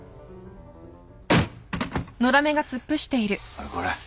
・おいこら。